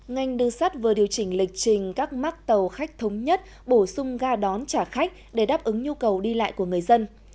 ngành đường sắt vừa điều chỉnh lịch trình các mắc tàu khách thống nhất bổ sung ga đón trả khách để đáp ứng nhu cầu đi lại của người dân